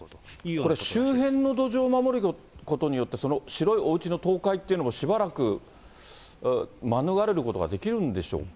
これ、周辺の土壌を守ることによって、白いおうちの倒壊というのもしばらく免れることができるんでしょうか。